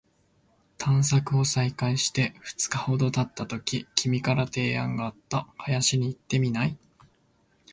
探索を再開して二日ほど経ったとき、君から提案があった。「林に行ってみない？」